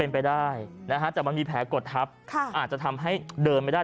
เป็นไปได้นะฮะแต่มันมีแผลกดทับอาจจะทำให้เดินไม่ได้